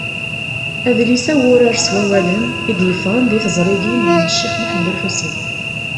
Adlis-a n wurar s wawalen, i d-yeffɣen di teẓrigin n Ccix Muḥend Ulḥusin.